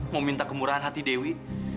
mau minta kemurahan hati dewi